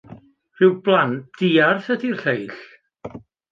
Rhyw blant diarth ydi'r lleill!